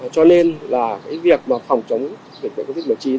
cho nên việc phòng chống dịch bệnh covid một mươi chín